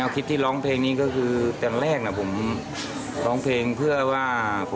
คลิปที่ร้องเพลงนี้ก็คือตอนแรกผมร้องเพลงเพื่อว่า